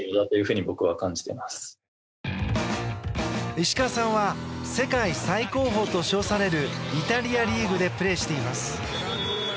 石川さんは世界最高峰と称されるイタリアリーグでプレーしています。